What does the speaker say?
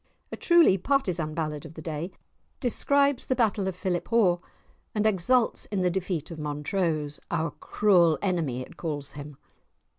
A truly partisan ballad of the day describes the battle of Philiphaugh and exults in the defeat of Montrose, "our cruel enemy," it calls him.